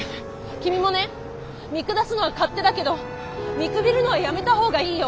君もね見下すのは勝手だけど見くびるのはやめた方がいいよ。